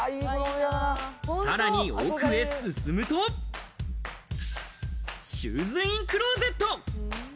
さらに奥へ進むと、シューズインクローゼット。